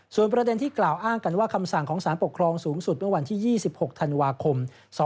ส่วนประเด็นที่กล่าวอ้างกันว่าคำสั่งของสารปกครองสูงสุดเมื่อวันที่๒๖ธันวาคม๒๕๖